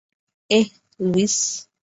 এহ, লুইস?